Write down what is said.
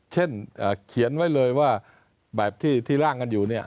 เช่นเขียนไว้เลยว่าแบบที่ร่างกันอยู่เนี่ย